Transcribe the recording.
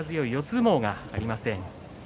相撲がありません。